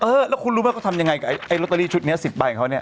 เออแล้วคุณรู้ไหมเขาทำยังไงกับไอ้ลอตเตอรี่ชุดนี้๑๐ใบของเขาเนี่ย